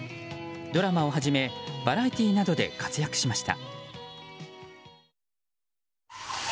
ドラマをはじめバラエティーなどで活躍しました。